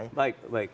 oh itu baik baik baik